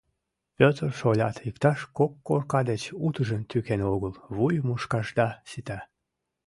Петр шолят иктаж кок корка деч утыжым тӱкен огыл, вуй мушкашда сита.